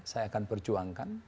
saya akan perjuangkan